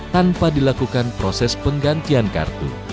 tanpa dilakukan proses penggantian kartu